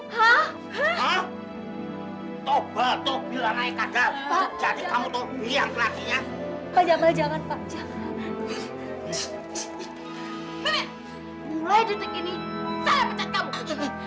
hai hah toh foto robek contemporary hai sudah kemudian laginya banyak meja maja